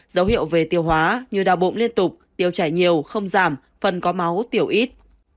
dấu hiệu về tiêu hóa như đau bụng liên tục tiêu chảy nhiều không giảm phần có máu tiểu ít